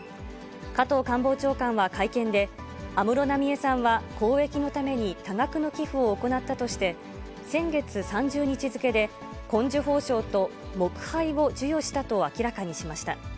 加藤官房長官は会見で、安室奈美恵さんは、公益のために多額の寄付を行ったとして、先月３０日付で、紺綬褒章と木杯を授与したと明らかにしました。